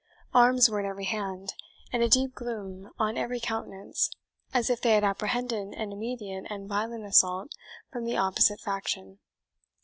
Arms were in every hand, and a deep gloom on every countenance, as if they had apprehended an immediate and violent assault from the opposite faction.